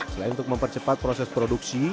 selain untuk mempercepat proses produksi